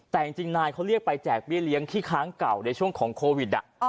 แต่จริงนายเขาเรียกไปแจกเบี้ยเลี้ยงที่ค้างเก่าในช่วงของโควิด